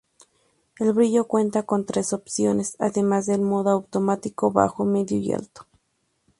El brillo cuenta con tres opciones, además del modo automático: bajo, medio y alto.